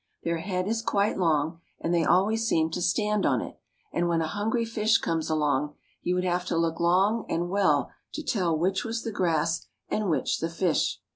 Their head is quite long, and they always seem to stand on it, and when a hungry fish comes along, he would have to look long and well to tell which was the grass and which the fish.